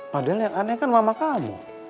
padahal yang aneh kan mama kamu